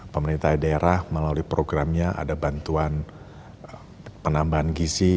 pemerintah daerah melalui programnya ada bantuan penambahan gizi